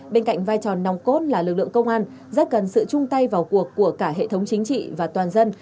bên cạnh vai trò nòng cốt là lực lượng công an rất cần sự chung tay vào cuộc của cả hệ thống chính trị và toàn dân